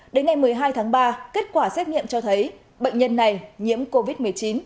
đến ngày một mươi hai tháng ba kết quả xét nghiệm cho thấy bệnh nhân này nhiễm covid một mươi chín